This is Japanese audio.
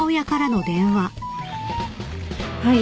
はい。